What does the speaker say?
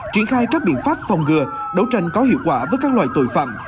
triển khai các biện pháp phòng ngừa đấu tranh có hiệu quả với các loại tội phạm